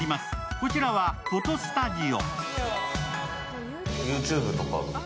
こちらはフォトスタジオ。